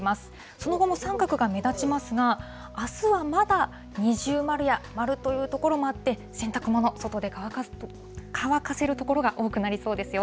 その後も三角が目立ちますが、あすはまだ二重丸や丸という所もあって、洗濯物、外で乾かせる所が多くなりそうですよ。